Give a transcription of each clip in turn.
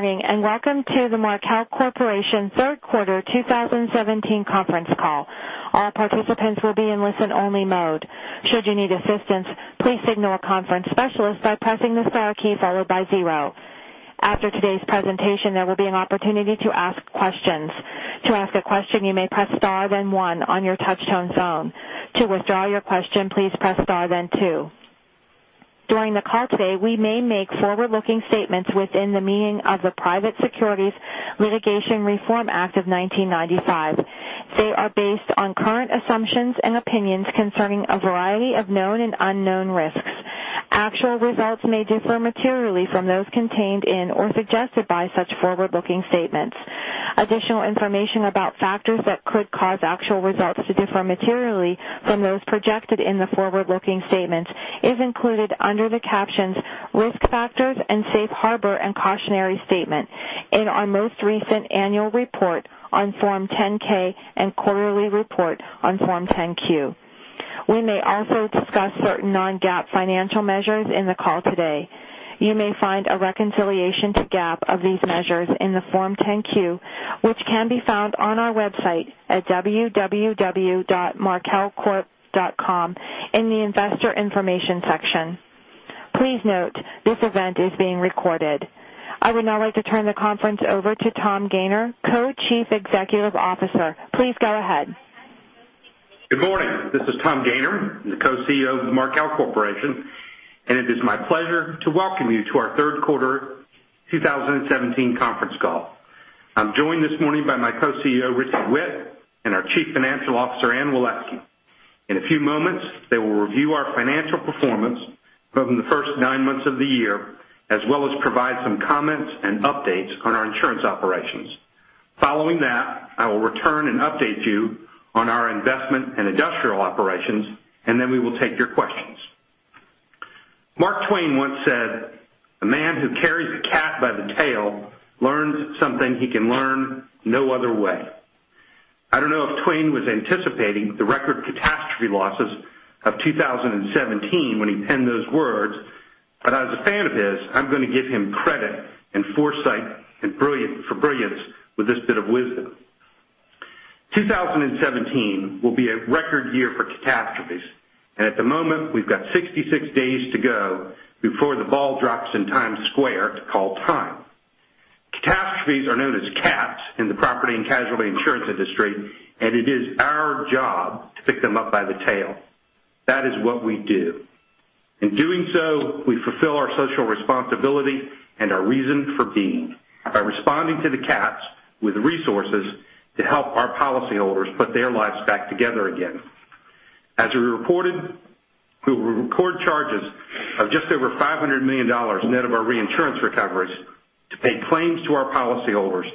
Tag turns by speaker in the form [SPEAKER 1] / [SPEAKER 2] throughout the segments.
[SPEAKER 1] Good morning, and welcome to the Markel Corporation third quarter 2017 conference call. All participants will be in listen-only mode. Should you need assistance, please signal a conference specialist by pressing the star key followed by zero. After today's presentation, there will be an opportunity to ask questions. To ask a question, you may press star, then one on your touchtone phone. To withdraw your question, please press star, then two. During the call today, we may make forward-looking statements within the meaning of the Private Securities Litigation Reform Act of 1995. They are based on current assumptions and opinions concerning a variety of known and unknown risks. Actual results may differ materially from those contained in or suggested by such forward-looking statements. Additional information about factors that could cause actual results to differ materially from those projected in the forward-looking statements is included under the captions "Risk Factors" and "Safe Harbor and Cautionary Statement" in our most recent annual report on Form 10-K and quarterly report on Form 10-Q. We may also discuss certain non-GAAP financial measures in the call today. You may find a reconciliation to GAAP of these measures in the Form 10-Q, which can be found on our website at www.markelcorp.com in the investor information section. Please note, this event is being recorded. I would now like to turn the conference over to Tom Gayner, Co-Chief Executive Officer. Please go ahead.
[SPEAKER 2] Good morning. This is Tom Gayner, the Co-CEO of the Markel Corporation, and it is my pleasure to welcome you to our third quarter 2017 conference call. I'm joined this morning by my Co-CEO, Richie Whitt, and our Chief Financial Officer, Anne Waleski. In a few moments, they will review our financial performance from the first nine months of the year, as well as provide some comments and updates on our insurance operations. Following that, I will return and update you on our investment and industrial operations, and then we will take your questions. Mark Twain once said, "A man who carries a cat by the tail learns something he can learn no other way." I don't know if Twain was anticipating the record catastrophe losses of 2017 when he penned those words, but as a fan of his, I'm going to give him credit and foresight for brilliance with this bit of wisdom. 2017 will be a record year for catastrophes, and at the moment, we've got 66 days to go before the ball drops in Times Square to call time. Catastrophes are known as cats in the property and casualty insurance industry, and it is our job to pick them up by the tail. That is what we do. In doing so, we fulfill our social responsibility and our reason for being by responding to the cats with resources to help our policyholders put their lives back together again. As we reported, we will record charges of just over $500 million net of our reinsurance recoveries to pay claims to our policyholders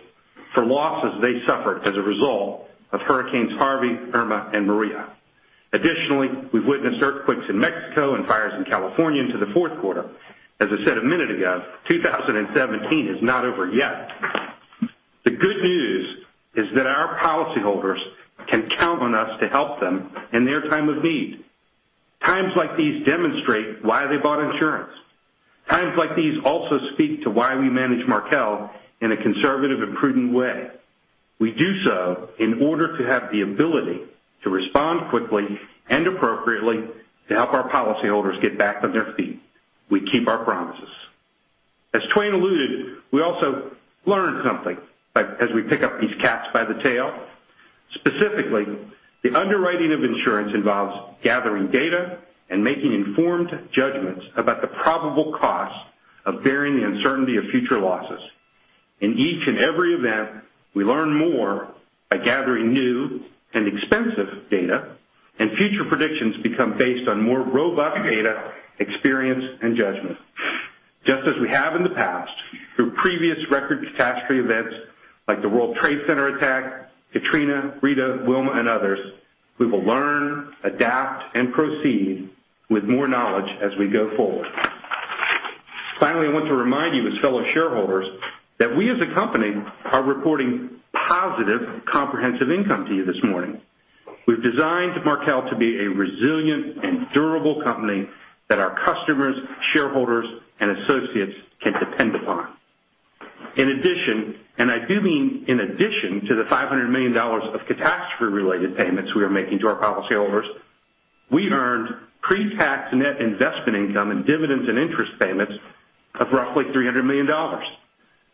[SPEAKER 2] for losses they suffered as a result of hurricanes Harvey, Irma, and Maria. Additionally, we've witnessed earthquakes in Mexico and fires in California into the fourth quarter. As I said a minute ago, 2017 is not over yet. The good news is that our policyholders can count on us to help them in their time of need. Times like these demonstrate why they bought insurance. Times like these also speak to why we manage Markel in a conservative and prudent way. We do so in order to have the ability to respond quickly and appropriately to help our policyholders get back on their feet. We keep our promises. As Twain alluded, we also learn something as we pick up these cats by the tail. Specifically, the underwriting of insurance involves gathering data and making informed judgments about the probable cost of bearing the uncertainty of future losses. In each and every event, we learn more by gathering new and expensive data, and future predictions become based on more robust data, experience, and judgment. Just as we have in the past, through previous record catastrophe events like the World Trade Center attack, Katrina, Rita, Wilma, and others, we will learn, adapt, and proceed with more knowledge as we go forward. I want to remind you as fellow shareholders that we as a company are reporting positive comprehensive income to you this morning. We've designed Markel to be a resilient and durable company that our customers, shareholders, and associates can depend upon. In addition, I do mean in addition to the $500 million of catastrophe-related payments we are making to our policyholders, we earned pre-tax net investment income and dividends and interest payments of roughly $300 million.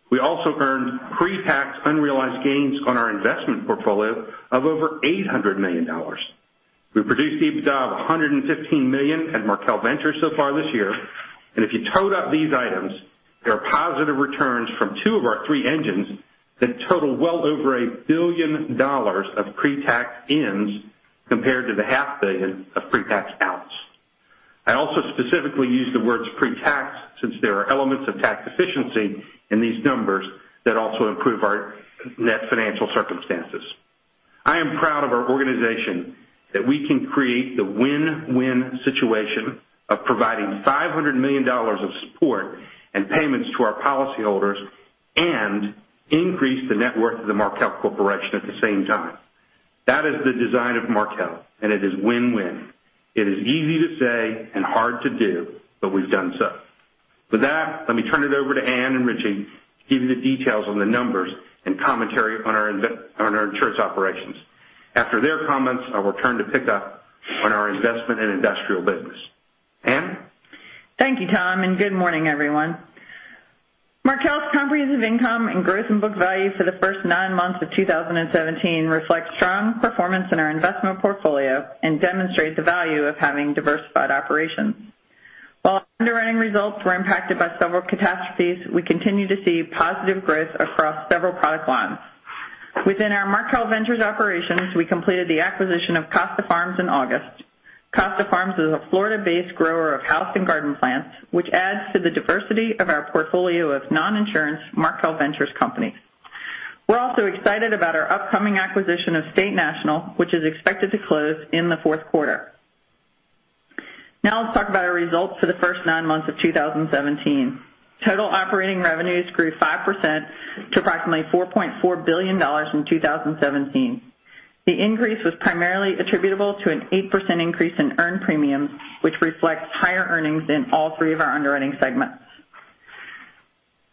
[SPEAKER 2] We also earned pre-tax unrealized gains on our investment portfolio of over $800 million. We produced EBITDA of $115 million at Markel Ventures so far this year. If you tote up these items, there are positive returns from two of our three engines that total well over a billion dollars of pre-tax ins compared to the half billion of pre-tax outs. I also specifically use the words pre-tax since there are elements of tax efficiency in these numbers that also improve our net financial circumstances. I am proud of our organization that we can create the win-win situation of providing $500 million of support and payments to our policyholders and increase the net worth of the Markel Corporation at the same time. That is the design of Markel, it is win-win. It is easy to say and hard to do, but we've done so. With that, let me turn it over to Anne and Richie to give you the details on the numbers and commentary on our insurance operations. After their comments, I will turn to pick up on our investment in industrial business. Anne?
[SPEAKER 3] Thank you, Tom, and good morning, everyone. Markel's comprehensive income and growth in book value for the first nine months of 2017 reflects strong performance in our investment portfolio and demonstrates the value of having diversified operations. While underwriting results were impacted by several catastrophes, we continue to see positive growth across several product lines. Within our Markel Ventures operations, we completed the acquisition of Costa Farms in August. Costa Farms is a Florida-based grower of house and garden plants, which adds to the diversity of our portfolio of non-insurance Markel Ventures companies. We are also excited about our upcoming acquisition of State National, which is expected to close in the fourth quarter. Let's talk about our results for the first nine months of 2017. Total operating revenues grew 5% to approximately $4.4 billion in 2017. The increase was primarily attributable to an 8% increase in earned premiums, which reflects higher earnings in all three of our underwriting segments.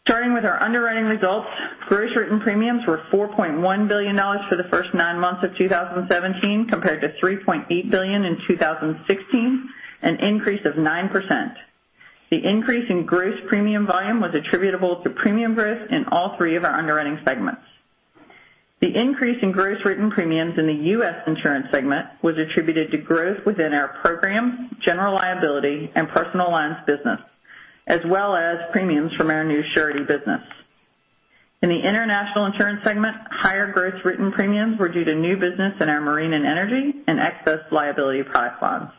[SPEAKER 3] Starting with our underwriting results, gross written premiums were $4.1 billion for the first nine months of 2017, compared to $3.8 billion in 2016, an increase of 9%. The increase in gross premium volume was attributable to premium growth in all three of our underwriting segments. The increase in gross written premiums in the US Insurance segment was attributed to growth within our program, general liability, and personal lines business, as well as premiums from our new surety business. In the International Insurance segment, higher gross written premiums were due to new business in our marine and energy and excess liability product lines.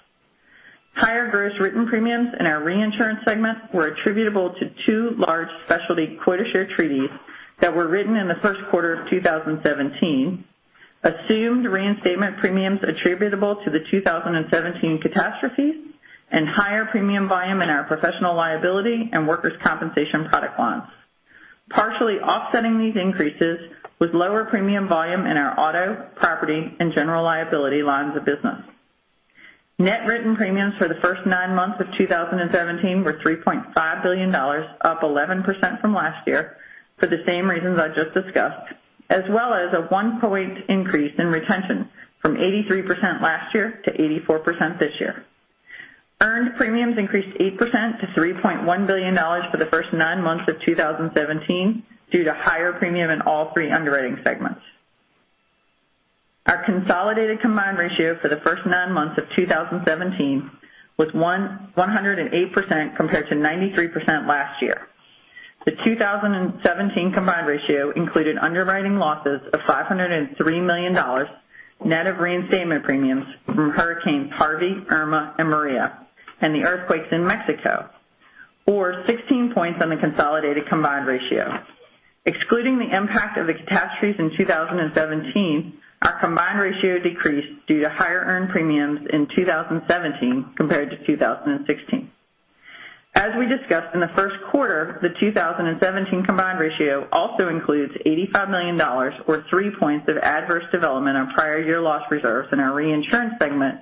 [SPEAKER 3] Higher gross written premiums in our reinsurance segment were attributable to two large specialty quota share treaties that were written in the first quarter of 2017, assumed reinstatement premiums attributable to the 2017 catastrophes, and higher premium volume in our professional liability and workers' compensation product lines. Partially offsetting these increases was lower premium volume in our auto, property, and general liability lines of business. Net written premiums for the first nine months of 2017 were $3.5 billion, up 11% from last year for the same reasons I just discussed, as well as a one-point increase in retention from 83% last year to 84% this year. Earned premiums increased 8% to $3.1 billion for the first nine months of 2017 due to higher premium in all three underwriting segments. Our consolidated combined ratio for the first nine months of 2017 was 108% compared to 93% last year. The 2017 combined ratio included underwriting losses of $503 million, net of reinstatement premiums from Hurricane Harvey, Hurricane Irma, and Hurricane Maria, and the earthquakes in Mexico, or 16 points on the consolidated combined ratio. Excluding the impact of the catastrophes in 2017, our combined ratio decreased due to higher earned premiums in 2017 compared to 2016. As we discussed in the first quarter, the 2017 combined ratio also includes $85 million, or three points of adverse development on prior year loss reserves in our reinsurance segment,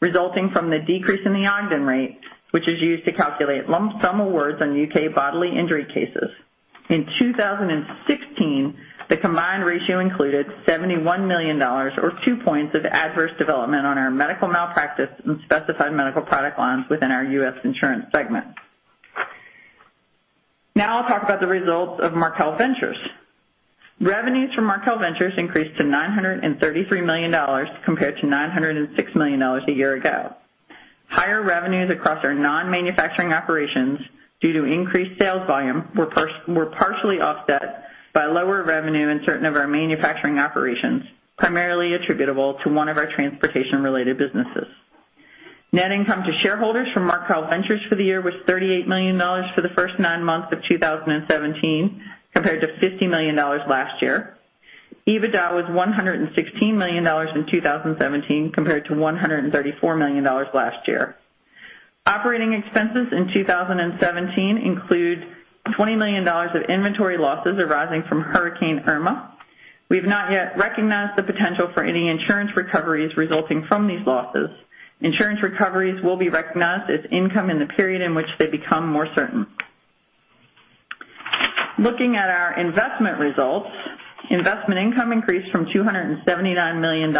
[SPEAKER 3] resulting from the decrease in the Ogden rate, which is used to calculate lump sum awards on U.K. bodily injury cases. In 2016, the combined ratio included $71 million, or two points, of adverse development on our medical malpractice and Specified Medical product lines within our US Insurance segment. Now I will talk about the results of Markel Ventures. Revenues from Markel Ventures increased to $933 million compared to $906 million a year ago. Higher revenues across our non-manufacturing operations due to increased sales volume were partially offset by lower revenue in certain of our manufacturing operations, primarily attributable to one of our transportation-related businesses. Net income to shareholders from Markel Ventures for the year was $38 million for the first nine months of 2017, compared to $50 million last year. EBITDA was $116 million in 2017 compared to $134 million last year. Operating expenses in 2017 include $20 million of inventory losses arising from Hurricane Irma. We've not yet recognized the potential for any insurance recoveries resulting from these losses. Insurance recoveries will be recognized as income in the period in which they become more certain. Looking at our investment results, investment income increased from $279 million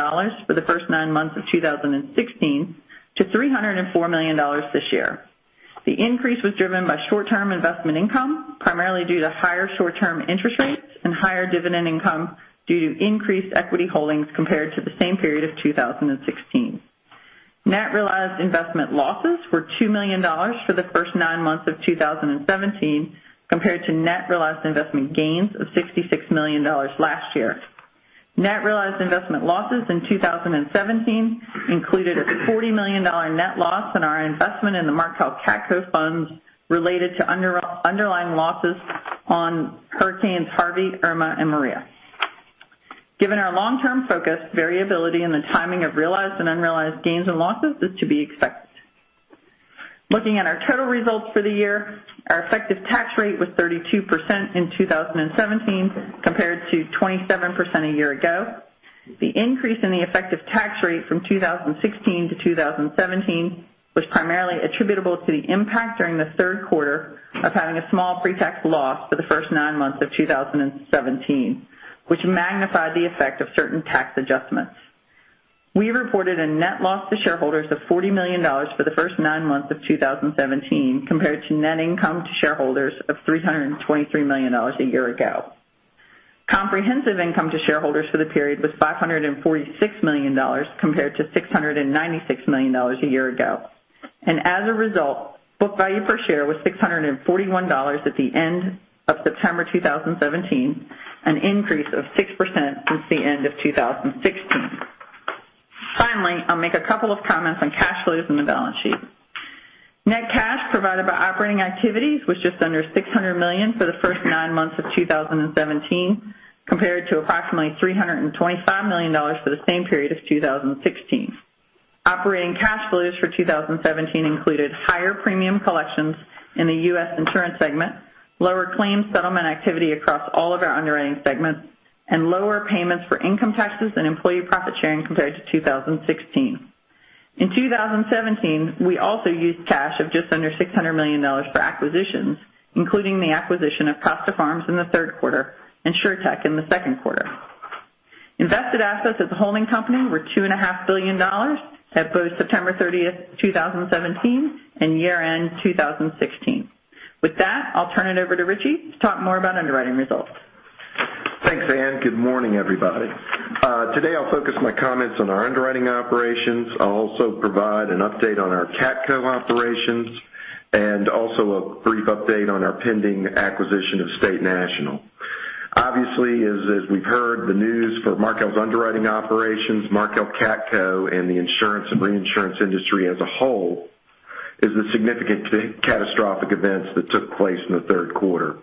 [SPEAKER 3] for the first nine months of 2016 to $304 million this year. The increase was driven by short-term investment income, primarily due to higher short-term interest rates and higher dividend income due to increased equity holdings compared to the same period of 2016. Net realized investment losses were $2 million for the first nine months of 2017, compared to net realized investment gains of $66 million last year. Net realized investment losses in 2017 included a $40 million net loss on our investment in the Markel CATCo funds related to underlying losses on hurricanes Harvey, Irma, and Maria. Given our long-term focus, variability in the timing of realized and unrealized gains and losses is to be expected. Looking at our total results for the year, our effective tax rate was 32% in 2017 compared to 27% a year ago. The increase in the effective tax rate from 2016 to 2017 was primarily attributable to the impact during the third quarter of having a small pre-tax loss for the first nine months of 2017, which magnified the effect of certain tax adjustments. We reported a net loss to shareholders of $40 million for the first nine months of 2017 compared to net income to shareholders of $323 million a year ago. Comprehensive income to shareholders for the period was $546 million compared to $696 million a year ago. As a result, book value per share was $641 at the end of September 2017, an increase of 6% since the end of 2016. Finally, I'll make a couple of comments on cash flows in the balance sheet. Net cash provided by operating activities was just under $600 million for the first nine months of 2017, compared to approximately $325 million for the same period of 2016. Operating cash flows for 2017 included higher premium collections in the US Insurance segment, lower claim settlement activity across all of our underwriting segments, and lower payments for income taxes and employee profit-sharing compared to 2016. In 2017, we also used cash of just under $600 million for acquisitions, including the acquisition of Costa Farms in the third quarter and SureTec in the second quarter. Invested assets as a holding company were $2.5 billion at both September 30th, 2017, and year-end 2016. With that, I'll turn it over to Richie to talk more about underwriting results.
[SPEAKER 4] Thanks, Anne. Good morning, everybody. Today, I'll focus my comments on our underwriting operations. I'll also provide an update on our Markel CATCo operations and a brief update on our pending acquisition of State National. Obviously, as we've heard the news for Markel Group's underwriting operations, Markel CATCo and the insurance and reinsurance industry as a whole, is the significant catastrophic events that took place in the third quarter.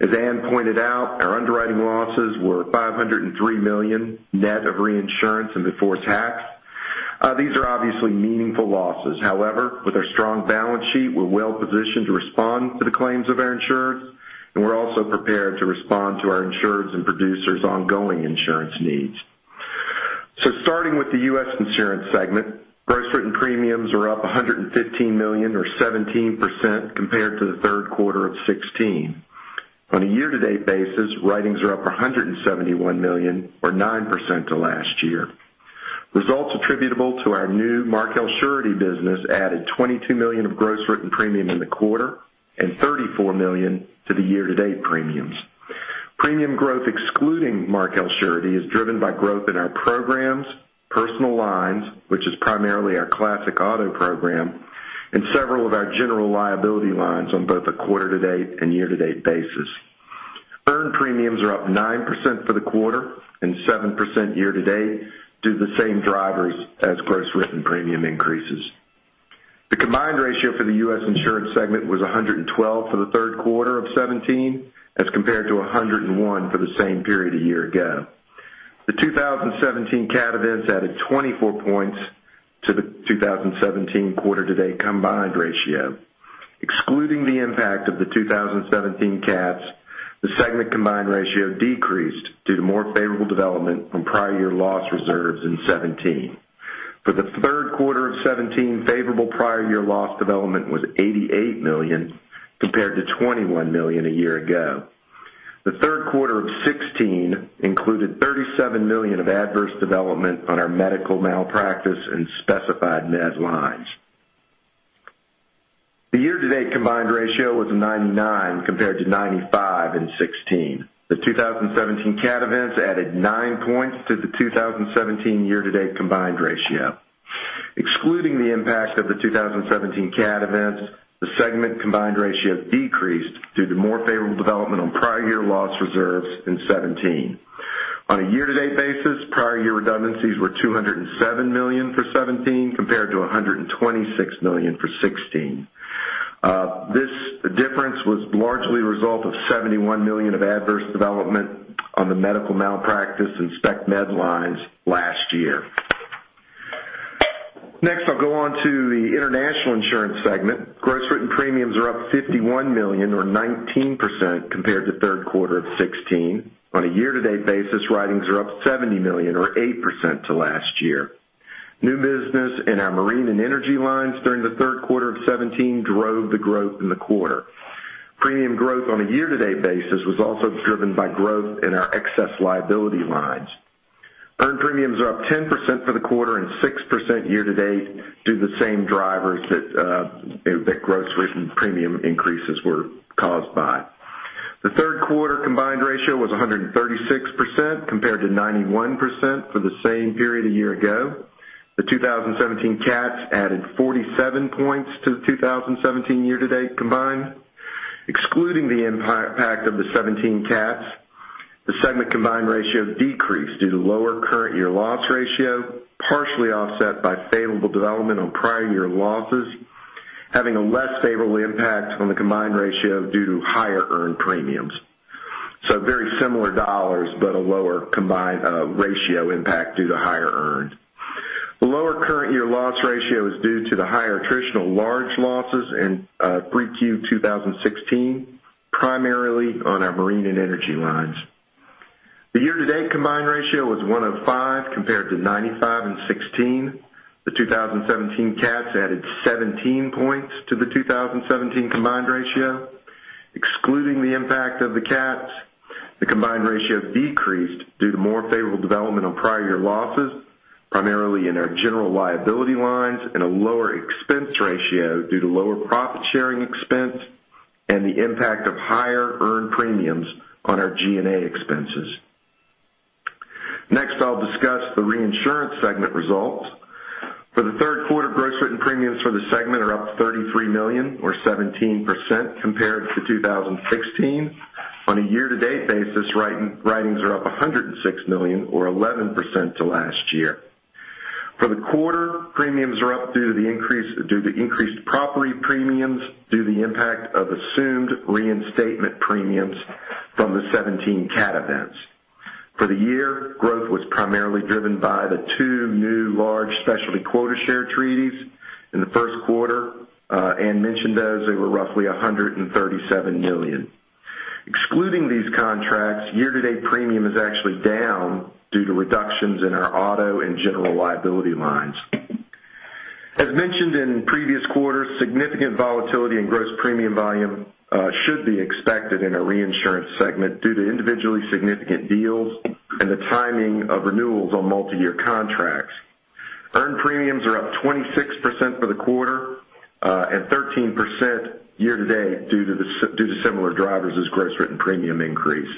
[SPEAKER 4] As Anne pointed out, our underwriting losses were $503 million net of reinsurance and before tax. These are obviously meaningful losses. However, with our strong balance sheet, we're well positioned to respond to the claims of our insureds, and we're also prepared to respond to our insureds' and producers' ongoing insurance needs. Starting with the US Insurance segment, gross written premiums are up $115 million or 17% compared to the third quarter of 2016. On a year-to-date basis, writings are up $171 million or 9% to last year. Results attributable to our new Markel Surety business added $22 million of gross written premium in the quarter and $34 million to the year-to-date premiums. Premium growth excluding Markel Surety is driven by growth in our programs, personal lines, which is primarily our classic auto program, and several of our general liability lines on both a quarter-to-date and year-to-date basis. Earned premiums are up 9% for the quarter and 7% year-to-date, due to the same drivers as gross written premium increases. The combined ratio for the US Insurance segment was 112 for the third quarter of 2017 as compared to 101 for the same period a year ago. The 2017 cat events added 24 points to the 2017 quarter-to-date combined ratio. Excluding the impact of the 2017 cats, the segment combined ratio decreased due to more favorable development from prior year loss reserves in 2017. For the third quarter of 2017, favorable prior year loss development was $88 million compared to $21 million a year ago. The third quarter of 2016 included $37 million of adverse development on our medical malpractice and Specified Medical lines. The year-to-date combined ratio was 99 compared to 95 in 2016. The 2017 cat events added nine points to the 2017 year-to-date combined ratio. Excluding the impact of the 2017 cat events, the segment combined ratio decreased due to more favorable development on prior year loss reserves in 2017. On a year-to-date basis, prior year redundancies were $207 million for 2017 compared to $126 million for 2016. This difference was largely a result of $71 million of adverse development on the medical malpractice and Specified Medical lines last year. I'll go on to the International Insurance segment. Gross written premiums are up $51 million or 19% compared to third quarter of 2016. On a year-to-date basis, writings are up $70 million or 8% to last year. New business in our marine and energy lines during the third quarter of 2017 drove the growth in the quarter. Premium growth on a year-to-date basis was also driven by growth in our excess liability lines. Earned premiums are up 10% for the quarter and 6% year-to-date, due to the same drivers that gross written premium increases were caused by. The third quarter combined ratio was 136% compared to 91% for the same period a year ago. The 2017 cats added 47 points to the 2017 year-to-date combined. Excluding the impact of the 2017 CATs, the segment combined ratio decreased due to lower current year loss ratio, partially offset by favorable development on prior year losses, having a less favorable impact on the combined ratio due to higher earned premiums. Very similar dollars, but a lower combined ratio impact due to higher earned. Lower current year loss ratio is due to the higher attritional large losses in 3Q 2016, primarily on our marine and energy lines. The year-to-date combined ratio was 105% compared to 95% in 2016. The 2017 CATs added 17 points to the 2017 combined ratio. Excluding the impact of the CATs, the combined ratio decreased due to more favorable development on prior year losses, primarily in our general liability lines, and a lower expense ratio due to lower profit-sharing expense and the impact of higher earned premiums on our G&A expenses. Next, I'll discuss the reinsurance segment results. For the third quarter, gross written premiums for the segment are up $33 million, or 17%, compared to 2016. On a year-to-date basis, writings are up $106 million or 11% to last year. For the quarter, premiums are up due to increased property premiums due to the impact of assumed reinstatement premiums from the 2017 CAT events. For the year, growth was primarily driven by the two new large specialty quota share treaties in the first quarter. Anne mentioned those, they were roughly $137 million. Excluding these contracts, year-to-date premium is actually down due to reductions in our auto and general liability lines. As mentioned in previous quarters, significant volatility in gross premium volume should be expected in a reinsurance segment due to individually significant deals and the timing of renewals on multi-year contracts. Earned premiums are up 26% for the quarter and 13% year-to-date due to similar drivers as gross written premium increase.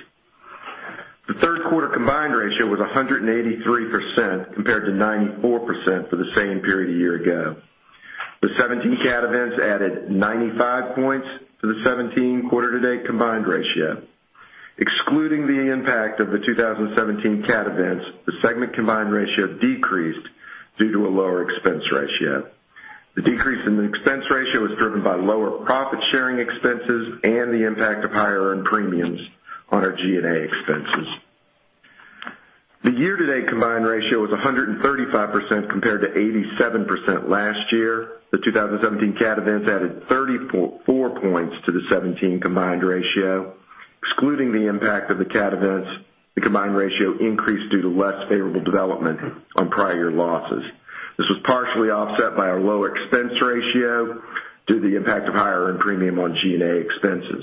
[SPEAKER 4] The third quarter combined ratio was 183% compared to 94% for the same period a year ago. The 2017 CAT events added 95 points to the 2017 quarter-to-date combined ratio. Excluding the impact of the 2017 CAT events, the segment combined ratio decreased due to a lower expense ratio. The decrease in the expense ratio was driven by lower profit-sharing expenses and the impact of higher earned premiums on our G&A expenses. The year-to-date combined ratio was 135% compared to 87% last year. The 2017 CAT events added 34 points to the 2017 combined ratio. Excluding the impact of the CAT events, the combined ratio increased due to less favorable development on prior year losses. This was partially offset by our lower expense ratio due to the impact of higher earned premium on G&A expenses.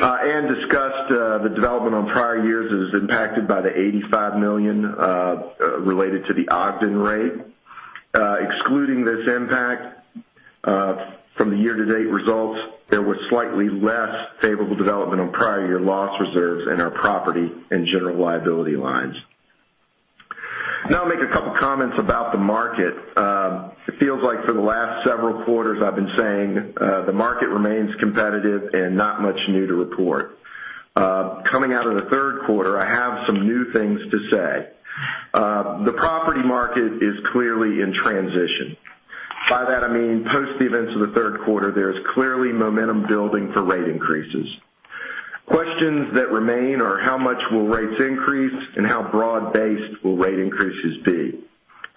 [SPEAKER 4] Anne discussed the development on prior years is impacted by the $85 million related to the Ogden rate. Excluding this impact from the year-to-date results, there was slightly less favorable development on prior year loss reserves in our property and general liability lines. I'll make a couple comments about the market. It feels like for the last several quarters I've been saying the market remains competitive and not much new to report. Coming out of the third quarter, I have some new things to say. The property market is clearly in transition. By that, I mean post the events of the third quarter, there is clearly momentum building for rate increases. Questions that remain are how much will rates increase and how broad-based will rate increases be?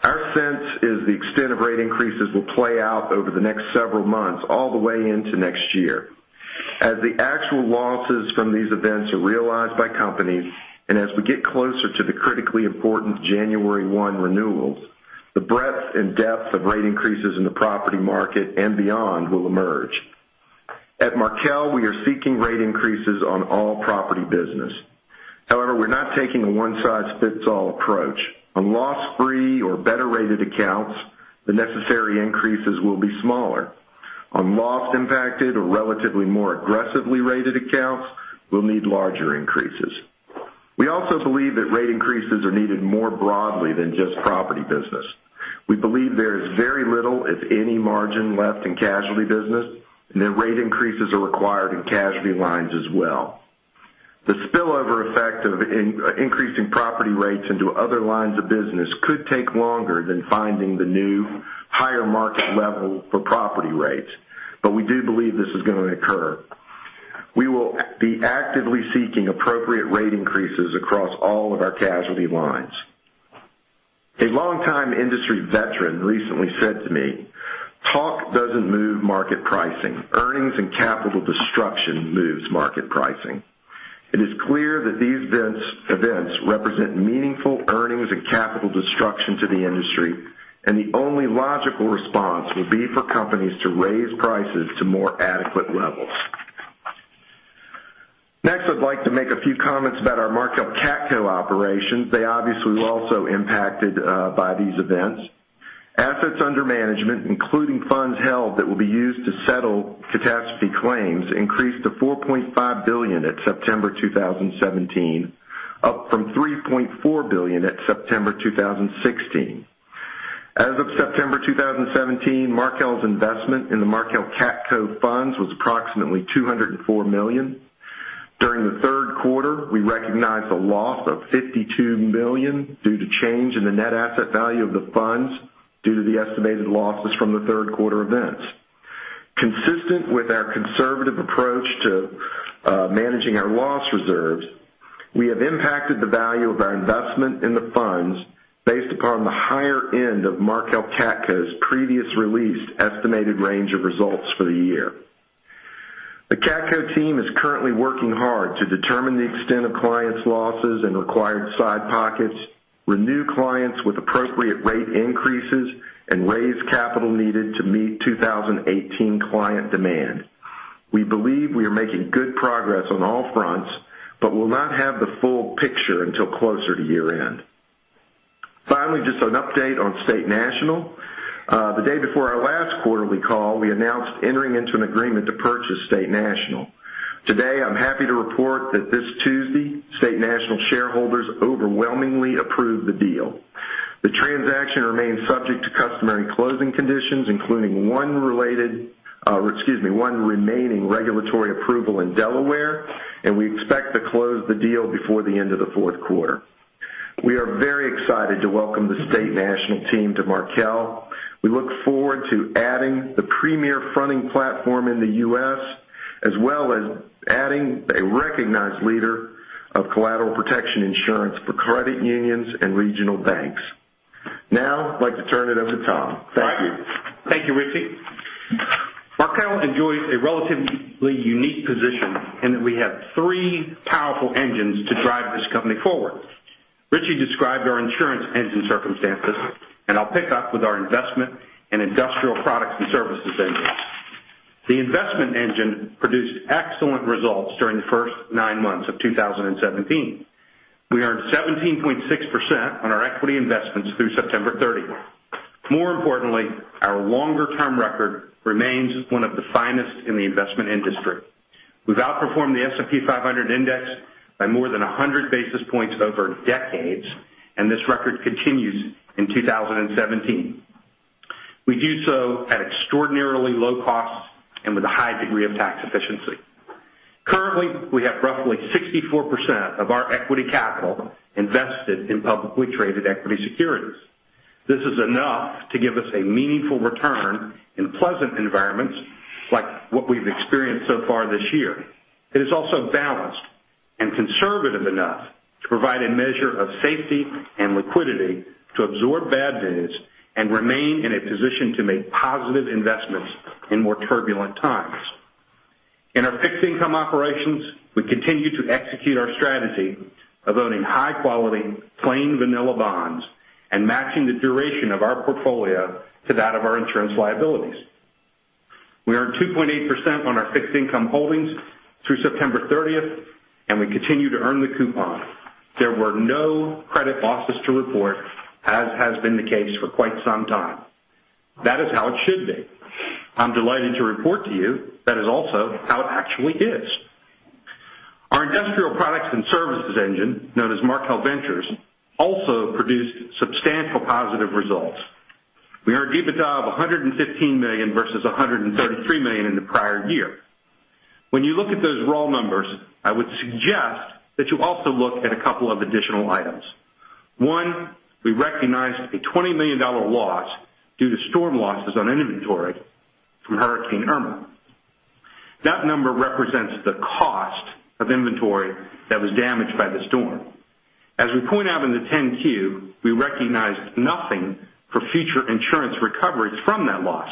[SPEAKER 4] Our sense is the extent of rate increases will play out over the next several months, all the way into next year. As the actual losses from these events are realized by companies, as we get closer to the critically important January 1 renewals, the breadth and depth of rate increases in the property market and beyond will emerge. At Markel, we are seeking rate increases on all property business. However, we're not taking a one-size-fits-all approach. On loss-free or better rated accounts, the necessary increases will be smaller. On loss impacted or relatively more aggressively rated accounts, we'll need larger increases. We also believe that rate increases are needed more broadly than just property business. We believe there is very little, if any, margin left in casualty business, and that rate increases are required in casualty lines as well. The spillover effect of increasing property rates into other lines of business could take longer than finding the new higher market level for property rates, we do believe this is going to occur. We will be actively seeking appropriate rate increases across all of our casualty lines. A longtime industry veteran recently said to me, "Talk doesn't move market pricing. Earnings and capital destruction moves market pricing." It is clear that these events represent meaningful earnings and capital destruction to the industry, the only logical response would be for companies to raise prices to more adequate levels. Next, I'd like to make a few comments about our Markel CATCo operations. They obviously were also impacted by these events. Assets under management, including funds held that will be used to settle catastrophe claims, increased to $4.5 billion at September 2017, up from $3.4 billion at September 2016. As of September 2017, Markel's investment in the Markel CATCo funds was approximately $204 million. During the third quarter, we recognized a loss of $52 million due to change in the net asset value of the funds due to the estimated losses from the third quarter events. Consistent with our conservative approach to managing our loss reserves, we have impacted the value of our investment in the funds based upon the higher end of Markel CATCo's previous released estimated range of results for the year. The CATCo team is currently working hard to determine the extent of clients' losses and required side pockets, renew clients with appropriate rate increases, and raise capital needed to meet 2018 client demand. We believe we are making good progress on all fronts, but will not have the full picture until closer to year-end. Finally, just an update on State National. The day before our last quarterly call, we announced entering into an agreement to purchase State National. Today, I'm happy to report that this Tuesday, State National shareholders overwhelmingly approved the deal. The transaction remains subject to customary closing conditions, including one related, one remaining regulatory approval in Delaware, we expect to close the deal before the end of the fourth quarter. We are very excited to welcome the State National team to Markel. We look forward to adding the premier fronting platform in the U.S., as well as adding a recognized leader of collateral protection insurance for credit unions and regional banks. I'd like to turn it over to Tom. Thank you.
[SPEAKER 2] Thank you, Richie. Markel enjoys a relatively unique position in that we have three powerful engines to drive this company forward. Richie described our insurance engine circumstances, I'll pick up with our investment in industrial products and services engines. The investment engine produced excellent results during the first nine months of 2017. We earned 17.6% on our equity investments through September 30th. More importantly, our longer-term record remains one of the finest in the investment industry. We've outperformed the S&P 500 Index by more than 100 basis points over decades, this record continues in 2017. We do so at extraordinarily low costs and with a high degree of tax efficiency. Currently, we have roughly 64% of our equity capital invested in publicly traded equity securities. This is enough to give us a meaningful return in pleasant environments like what we've experienced so far this year. It is also balanced and conservative enough to provide a measure of safety and liquidity to absorb bad news and remain in a position to make positive investments in more turbulent times. In our fixed income operations, we continue to execute our strategy of owning high-quality, plain vanilla bonds and matching the duration of our portfolio to that of our insurance liabilities. We earned 2.8% on our fixed income holdings through September 30th. We continue to earn the coupon. There were no credit losses to report, as has been the case for quite some time. That is how it should be. I'm delighted to report to you that is also how it actually is. Our industrial products and services engine, known as Markel Ventures, also produced substantial positive results. We earned EBITDA of $115 million versus $133 million in the prior year. When you look at those raw numbers, I would suggest that you also look at a couple of additional items. One, we recognized a $20 million loss due to storm losses on inventory from Hurricane Irma. That number represents the cost of inventory that was damaged by the storm. As we point out in the 10-Q, we recognized nothing for future insurance recoveries from that loss.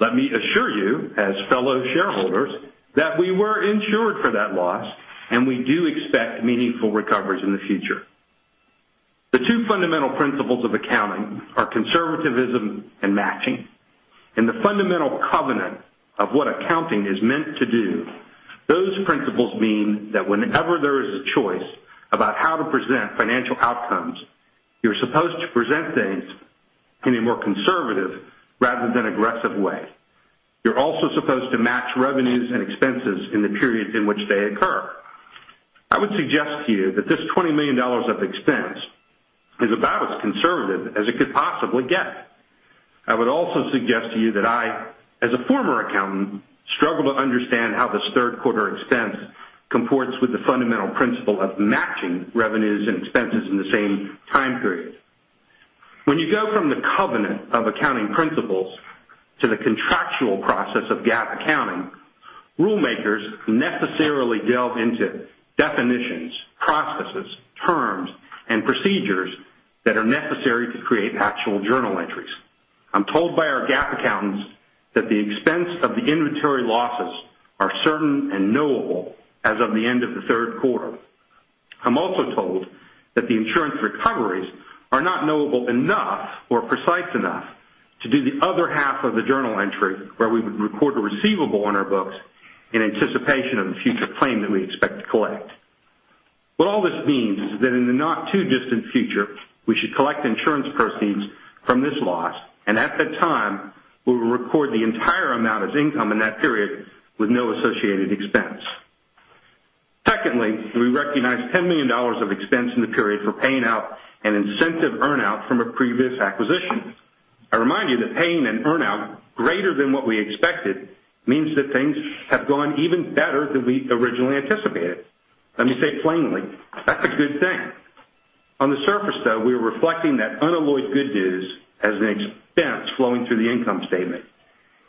[SPEAKER 2] Let me assure you, as fellow shareholders, that we were insured for that loss. We do expect meaningful recoveries in the future. The two fundamental principles of accounting are conservativism and matching. In the fundamental covenant of what accounting is meant to do, those principles mean that whenever there is a choice about how to present financial outcomes, you're supposed to present things in a more conservative rather than aggressive way. You're also supposed to match revenues and expenses in the periods in which they occur. I would suggest to you that this $20 million of expense is about as conservative as it could possibly get. I would also suggest to you that I, as a former accountant, struggle to understand how this third quarter expense comports with the fundamental principle of matching revenues and expenses in the same time period. When you go from the covenant of accounting principles to the contractual process of GAAP accounting, rule makers necessarily delve into definitions, processes, terms, and procedures that are necessary to create actual journal entries. I'm told by our GAAP accountants that the expense of the inventory losses are certain and knowable as of the end of the third quarter. I'm also told that the insurance recoveries are not knowable enough or precise enough to do the other half of the journal entry where we would record a receivable on our books in anticipation of the future claim that we expect to collect. What all this means is that in the not too distant future, we should collect insurance proceeds from this loss, and at that time, we will record the entire amount as income in that period with no associated expense. Secondly, we recognized $10 million of expense in the period for paying out an incentive earn-out from a previous acquisition. I remind you that paying an earn-out greater than what we expected means that things have gone even better than we originally anticipated. Let me say it plainly, that's a good thing. On the surface, though, we are reflecting that unalloyed good news as an expense flowing through the income statement.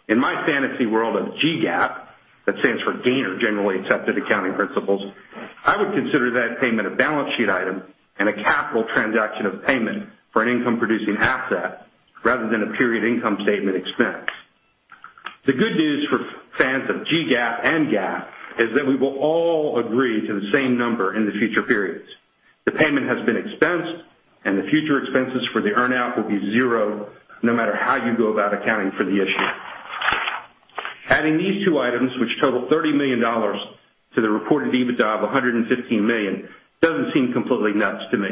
[SPEAKER 2] In my fantasy world of GAAP, that stands for Generally Accepted Accounting Principles, I would consider that payment a balance sheet item and a capital transaction of payment for an income producing asset rather than a period income statement expense. The good news for fans of GAAP and GAAP is that we will all agree to the same number in the future periods. The payment has been expensed and the future expenses for the earn-out will be zero no matter how you go about accounting for the issue. Adding these two items, which total $30 million to the reported EBITDA of $115 million, doesn't seem completely nuts to me.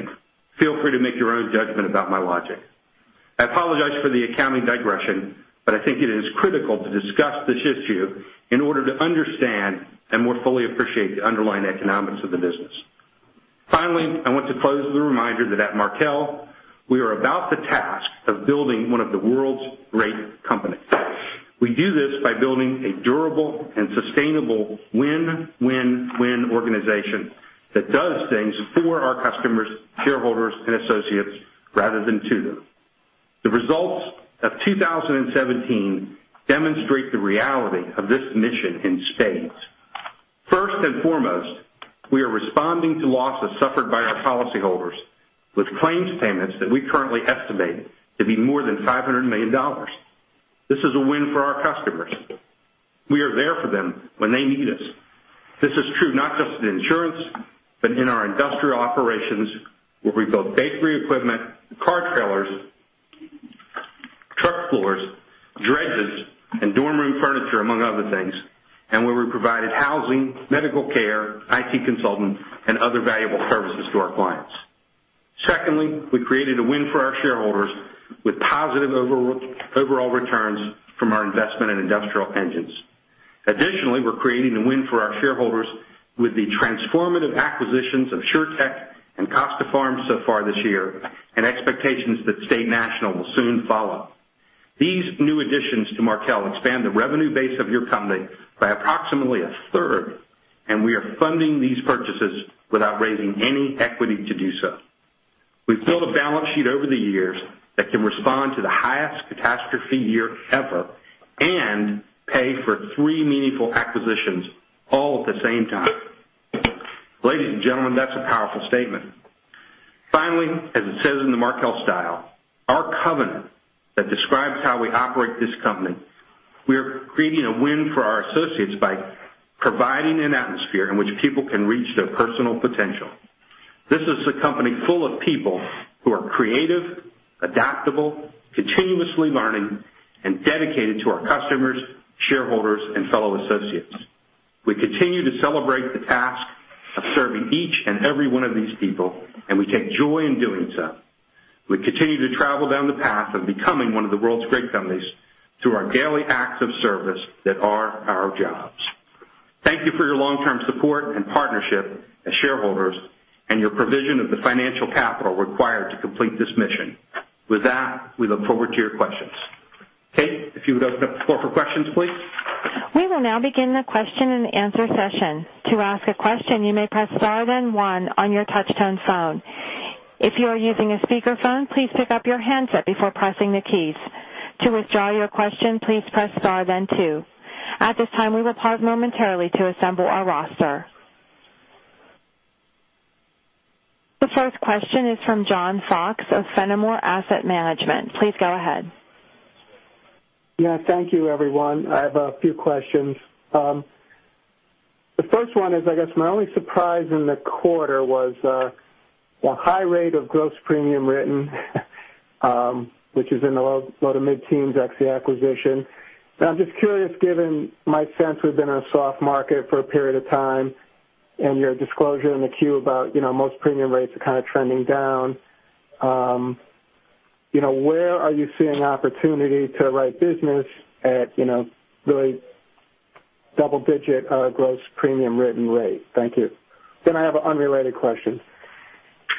[SPEAKER 2] Feel free to make your own judgment about my logic. I apologize for the accounting digression. I think it is critical to discuss this issue in order to understand and more fully appreciate the underlying economics of the business. Finally, I want to close with a reminder that at Markel, we are about the task of building one of the world's great companies. We do this by building a durable and sustainable win-win-win organization that does things for our customers, shareholders, and associates rather than to them. The results of 2017 demonstrate the reality of this mission in spades. First and foremost, we are responding to losses suffered by our policyholders with claims payments that we currently estimate to be more than $500 million. This is a win for our customers. We are there for them when they need us. This is true not just in insurance, in our industrial operations, where we build bakery equipment, car trailers, truck floors, dredges, and dorm room furniture, among other things, and where we provided housing, medical care, IT consultants, and other valuable services to our clients. Secondly, we created a win for our shareholders with positive overall returns from our investment in industrial engines. Additionally, we're creating a win for our shareholders with the transformative acquisitions of SureTec and Costa Farms so far this year, expectations that State National will soon follow. These new additions to Markel expand the revenue base of your company by approximately a third. We are funding these purchases without raising any equity to do so. We've built a balance sheet over the years that can respond to the highest catastrophe year ever and pay for three meaningful acquisitions all at the same time. Ladies and gentlemen, that's a powerful statement. Finally, as it says in the Markel Style, our covenant that describes how we operate this company, we are creating a win for our associates by providing an atmosphere in which people can reach their personal potential. This is a company full of people who are creative, adaptable, continuously learning, and dedicated to our customers, shareholders, and fellow associates. We continue to celebrate the task of serving each and every one of these people, and we take joy in doing so. We continue to travel down the path of becoming one of the world's great companies through our daily acts of service that are our jobs. Thank you for your long-term support and partnership as shareholders and your provision of the financial capital required to complete this mission. With that, we look forward to your questions. Kate, if you would open up the floor for questions, please.
[SPEAKER 1] We will now begin the question and answer session. To ask a question, you may press star then one on your touch-tone phone. If you are using a speakerphone, please pick up your handset before pressing the keys. To withdraw your question, please press star then two. At this time, we will pause momentarily to assemble our roster. The first question is from John Fox of Fenimore Asset Management. Please go ahead.
[SPEAKER 5] Yeah. Thank you, everyone. I have a few questions. The first one is, I guess my only surprise in the quarter was the high rate of gross premium written which is in the low to mid-teens ex the acquisition. I'm just curious, given my sense we've been in a soft market for a period of time and your disclosure in the Q about most premium rates are kind of trending down, where are you seeing opportunity to write business at really double digit gross premium written rate? Thank you. I have an unrelated question.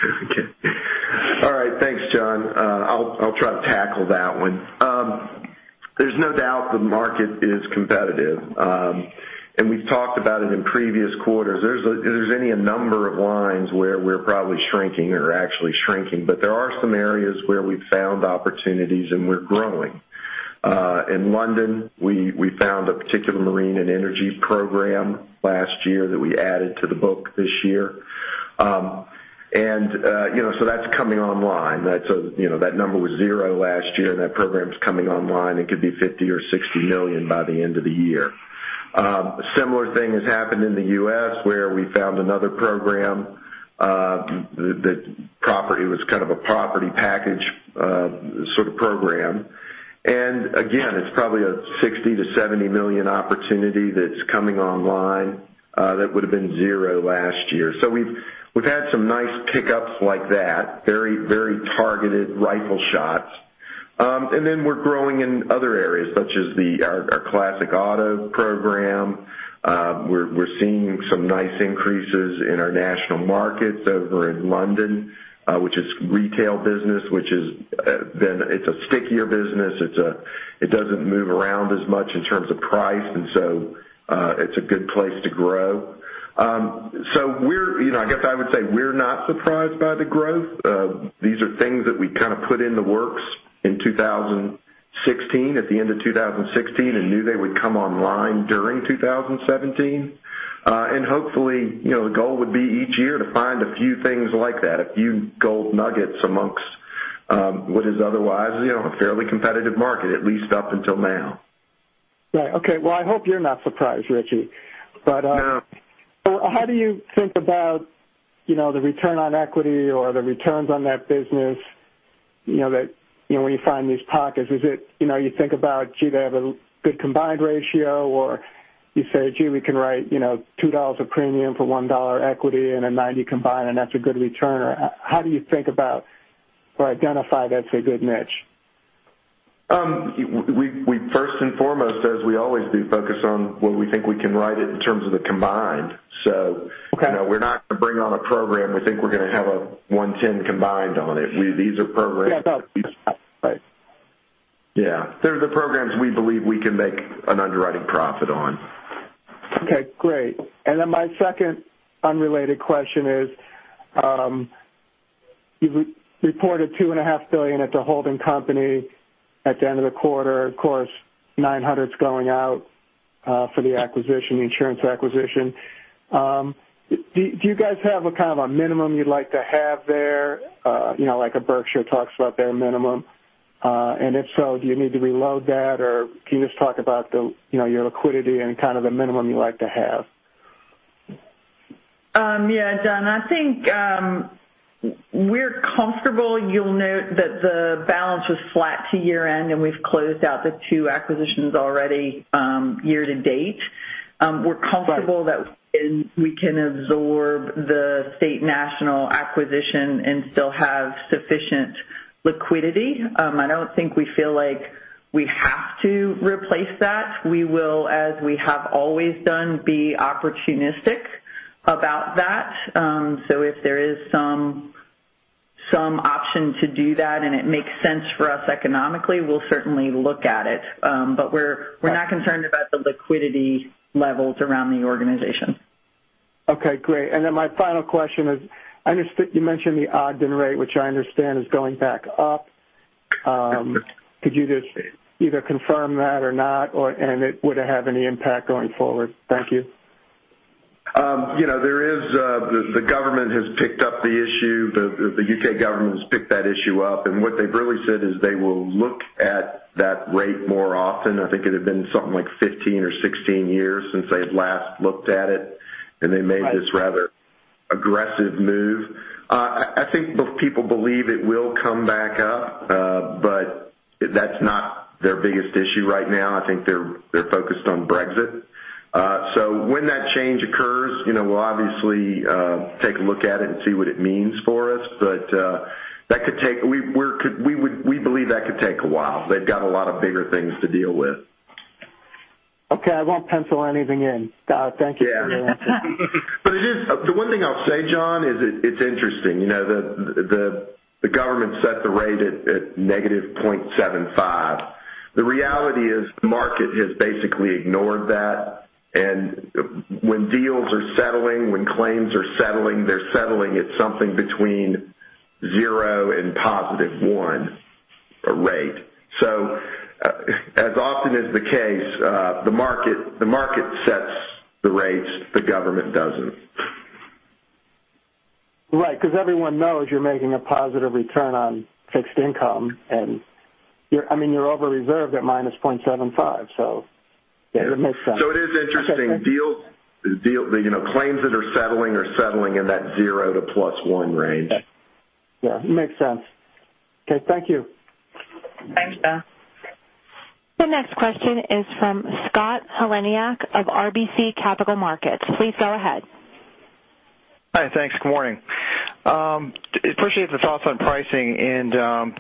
[SPEAKER 2] Okay. All right. Thanks, John. I'll try to tackle that one. There's no doubt the market is competitive. We've talked about it in previous quarters. There's any number of lines where we're probably shrinking or actually shrinking, but there are some areas where we've found opportunities and we're growing. In London, we found a particular marine and energy program last year that we added to the book this year. That's coming online. That number was zero last year, and that program's coming online. It could be $50 million-$60 million by the end of the year. A similar thing has happened in the U.S., where we found another program. It was kind of a property package sort of program. Again, it's probably a $60 million-$70 million opportunity that's coming online that would have been zero last year. We've had some nice pickups like that. Very targeted rifle shots. Then we're growing in other areas, such as our classic auto program. We're seeing some nice increases in our national markets over in London, which is retail business. It's a stickier business. It doesn't move around as much in terms of price, it's a good place to grow.
[SPEAKER 4] I guess I would say we're not surprised by the growth. These are things that we kind of put in the works in 2016, at the end of 2016, knew they would come online during 2017. Hopefully, the goal would be each year to find a few things like that, a few gold nuggets amongst what is otherwise, a fairly competitive market, at least up until now.
[SPEAKER 5] Right. Okay. Well, I hope you're not surprised, Richie.
[SPEAKER 4] No.
[SPEAKER 5] How do you think about the return on equity or the returns on that business, when you find these pockets? Is it, you think about, gee, they have a good combined ratio or you say, gee, we can write $2 a premium for $1 equity and a 90 combined, and that's a good return? How do you think about or identify that's a good niche?
[SPEAKER 4] We first and foremost, as we always do, focus on what we think we can write it in terms of the combined.
[SPEAKER 5] Okay.
[SPEAKER 4] We're not going to bring on a program, we think we're going to have a 110 combined on it.
[SPEAKER 5] Yeah. No, right.
[SPEAKER 4] Yeah. They're the programs we believe we can make an underwriting profit on.
[SPEAKER 5] Okay, great. My second unrelated question is, you reported two and a half billion at the holding company at the end of the quarter. Of course, $900's going out for the insurance acquisition. Do you guys have a kind of a minimum you'd like to have there, like Berkshire talks about their minimum? If so, do you need to reload that, or can you just talk about your liquidity and kind of the minimum you like to have?
[SPEAKER 3] Yeah. John, I think we're comfortable. You'll note that the balance was flat to year-end, we've closed out the two acquisitions already year-to-date. We're comfortable that we can absorb the State National acquisition and still have sufficient liquidity. I don't think we feel like we have to replace that. We will, as we have always done, be opportunistic about that. If there is some option to do that and it makes sense for us economically, we'll certainly look at it. We're not concerned about the liquidity levels around the organization.
[SPEAKER 5] Okay, great. My final question is, you mentioned the Ogden rate, which I understand is going back up. Could you just either confirm that or not, and would it have any impact going forward? Thank you.
[SPEAKER 4] The government has picked up the issue. The U.K. government has picked that issue up, and what they've really said is they will look at that rate more often. I think it had been something like 15 or 16 years since they had last looked at it, and they made this rather aggressive move. I think most people believe it will come back up, but that's not their biggest issue right now. I think they're focused on Brexit. When that change occurs, we'll obviously take a look at it and see what it means for us. We believe that could take a while. They've got a lot of bigger things to deal with.
[SPEAKER 5] Okay. I won't pencil anything in. Thank you for the answer.
[SPEAKER 4] The one thing I'll say, John, is it's interesting. The government set the rate at negative 0.75. The reality is, the market has basically ignored that, and when deals are settling, when claims are settling, they're settling at something between zero and positive one rate. As often is the case, the market sets the rates, the government doesn't.
[SPEAKER 5] Right. Because everyone knows you're making a positive return on fixed income, and you're over-reserved at minus 0.75. It makes sense.
[SPEAKER 4] It is interesting. Claims that are settling are settling in that zero to plus one range.
[SPEAKER 5] Yeah. Makes sense. Okay. Thank you.
[SPEAKER 3] Thanks, John.
[SPEAKER 1] The next question is from Scott Heleniak of RBC Capital Markets. Please go ahead.
[SPEAKER 6] Hi. Thanks. Good morning. Appreciate the thoughts on pricing and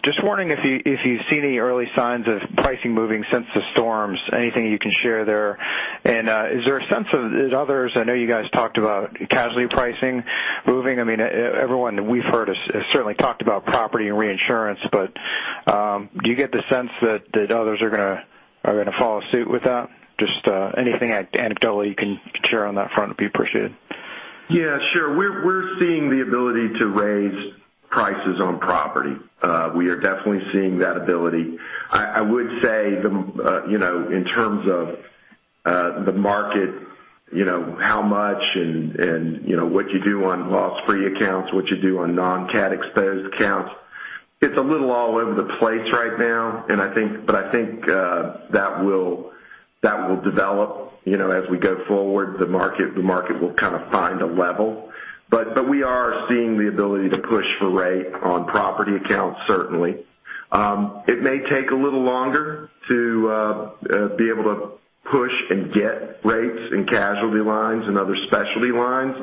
[SPEAKER 6] just wondering if you see any early signs of pricing moving since the storms, anything you can share there. Is there a sense of, as others, I know you guys talked about casualty pricing moving. Everyone we've heard has certainly talked about property and reinsurance. Do you get the sense that others are going to follow suit with that? Just anything anecdotally you can share on that front would be appreciated.
[SPEAKER 4] Yeah, sure. We're seeing the ability to raise prices on property. We are definitely seeing that ability. I would say in terms of the market, how much and what you do on loss-free accounts, what you do on non-cat exposed accounts, it's a little all over the place right now, but I think that will develop as we go forward. The market will kind of find a level. We are seeing the ability to push for rate on property accounts, certainly. It may take a little longer to be able to push and get rates in casualty lines and other specialty lines,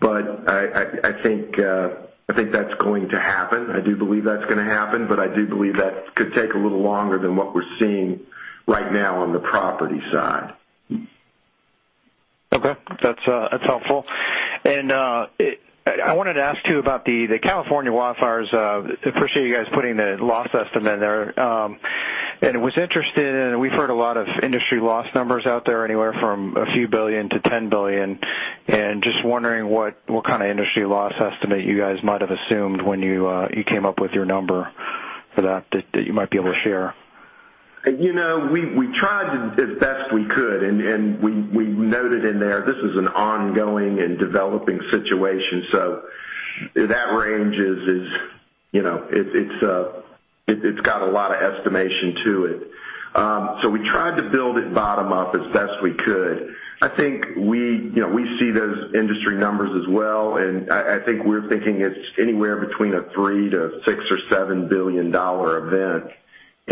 [SPEAKER 4] but I think that's going to happen. I do believe that's going to happen, but I do believe that could take a little longer than what we're seeing right now on the property side.
[SPEAKER 6] Okay. That's helpful. I wanted to ask too about the California wildfires. Appreciate you guys putting the loss estimate in there. Was interested in, we've heard a lot of industry loss numbers out there, anywhere from a few billion to $10 billion. Just wondering what kind of industry loss estimate you guys might have assumed when you came up with your number for that you might be able to share.
[SPEAKER 4] We tried as best we could, and we noted in there this is an ongoing and developing situation. That range, it's got a lot of estimation to it. We tried to build it bottom up as best we could. I think we see those industry numbers as well, and I think we're thinking it's anywhere between a three to six or seven billion event.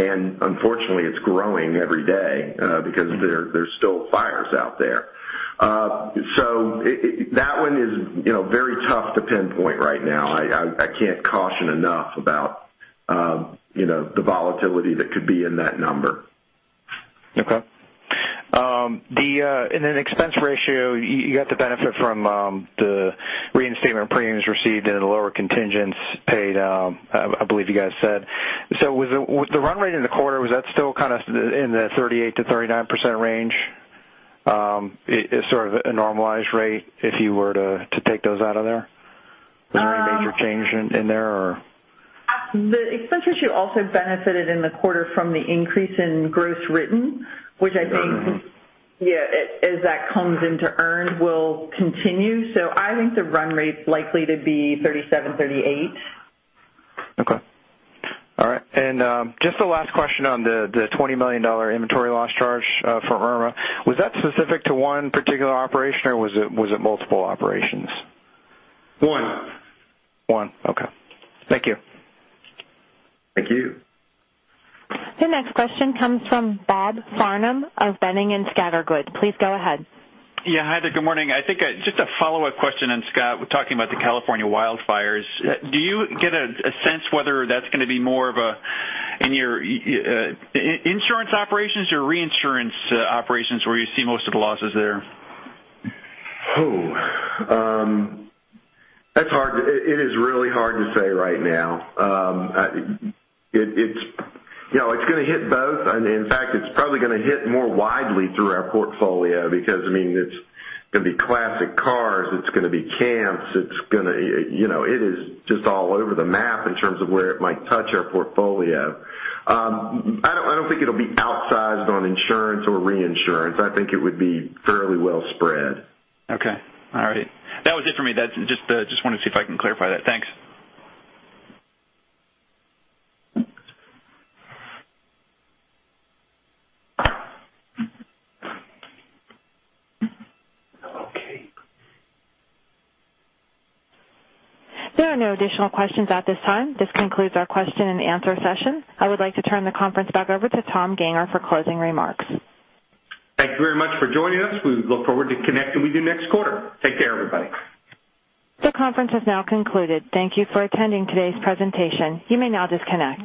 [SPEAKER 4] Unfortunately, it's growing every day because there's still fires out there. That one is very tough to pinpoint right now. I can't caution enough about the volatility that could be in that number.
[SPEAKER 6] Okay. In an expense ratio, you got the benefit from the reinstatement premiums received and the lower contingents paid, I believe you guys said. With the run rate in the quarter, was that still in the 38%-39% range as sort of a normalized rate if you were to take those out of there? Was there any major change in there or?
[SPEAKER 3] The expense ratio also benefited in the quarter from the increase in gross written, which I think as that comes into earned, will continue. I think the run rate's likely to be 37%, 38%.
[SPEAKER 6] Okay. All right. Just the last question on the $20 million inventory loss charge for Irma. Was that specific to one particular operation or was it multiple operations?
[SPEAKER 4] One.
[SPEAKER 6] One. Okay. Thank you.
[SPEAKER 4] Thank you.
[SPEAKER 1] The next question comes from Robert Farnam of Boenning & Scattergood. Please go ahead.
[SPEAKER 7] Yeah. Hi there. Good morning. I think just a follow-up question on, Scott, talking about the California wildfires. Do you get a sense whether that's going to be more of a in your insurance operations or reinsurance operations where you see most of the losses there?
[SPEAKER 4] Oh. It is really hard to say right now. It's going to hit both, and in fact, it's probably going to hit more widely through our portfolio because, it's going to be classic cars, it's going to be camps, it is just all over the map in terms of where it might touch our portfolio. I don't think it'll be outsized on insurance or reinsurance. I think it would be fairly well spread.
[SPEAKER 7] Okay. All right. That was it for me. Just wanted to see if I can clarify that. Thanks.
[SPEAKER 4] Okay.
[SPEAKER 1] There are no additional questions at this time. This concludes our question and answer session. I would like to turn the conference back over to Tom Gayner for closing remarks.
[SPEAKER 2] Thank you very much for joining us. We look forward to connecting with you next quarter. Take care, everybody.
[SPEAKER 1] The conference has now concluded. Thank you for attending today's presentation. You may now disconnect.